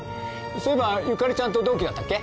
そういえばゆかりちゃんと同期だったっけ？